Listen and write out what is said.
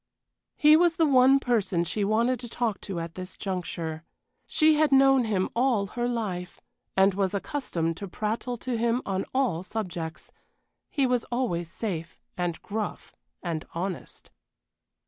He was the one person she wanted to talk to at this juncture. She had known him all her life, and was accustomed to prattle to him on all subjects. He was always safe, and gruff, and honest.